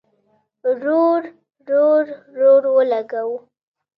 رور، رور، رور اولګوو